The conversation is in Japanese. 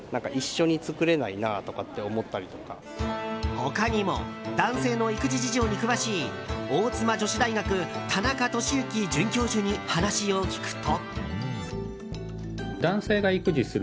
他にも男性の育児事情に詳しい大妻女子大学、田中俊之准教授に話を聞くと。